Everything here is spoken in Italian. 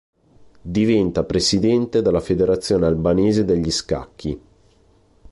Diventa presidente della Federazione Albanese degli Scacchi.